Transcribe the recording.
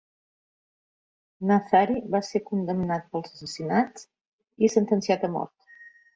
Nazari va ser condemnat pels assassinats i sentenciat a mort.